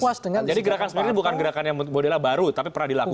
jadi gerakan ini bukan gerakan yang modelnya baru tapi pernah dilakukan